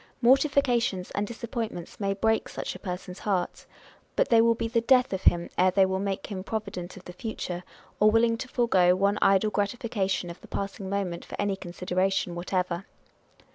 Mortifications and disappointments may break such a person's heart ; but they will be the death of him ere they will make him provident of the future, or willing to forego one idle gratification of the passing moment for any consideration whatever.